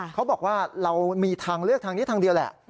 เขาบอกว่าเรามีทางเลือกทางนี้ทางเดียวแหละ